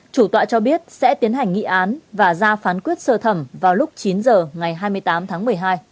chủ tọa cho biết sẽ tiến hành nghị án và ra phán quyết sơ thẩm vào lúc chín h ngày hai mươi tám tháng một mươi hai